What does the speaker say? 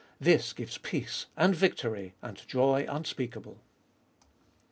This gives peace, and victory, and joy unspeakable.